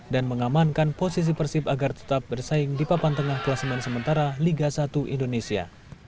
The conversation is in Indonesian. dan mengamankan posisi persib agar tetap bersaing di papan tengah kelas semen sementara liga satu indonesia